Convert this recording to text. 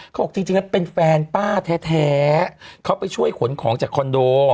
เขาบอกจริงแล้วเป็นแฟนป้าแท้เขาไปช่วยขนของจากคอนโด